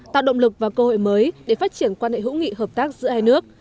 tạo động lực và cơ hội mới để phát triển quan hệ hữu nghị hợp tác giữa hai nước